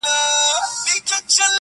جنته ستا د مخ د لمر رڼا ته درېږم